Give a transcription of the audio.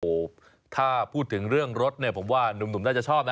โอ้โหถ้าพูดถึงเรื่องรถเนี่ยผมว่านุ่มน่าจะชอบนะ